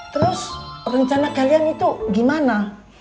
terus rencana kalian itu gimana